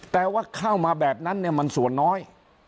แต่ว่าเข้ามาแบบนั้นเนี่ยมันส่วนน้อย